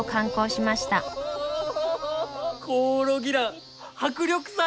コオロギラン迫力さえある！